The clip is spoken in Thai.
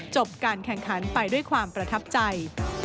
การแข่งขันไปด้วยความประทับใจ